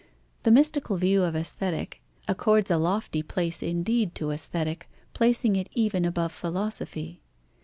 The mystical view of Aesthetic accords a lofty place indeed to Aesthetic, placing it even above philosophy.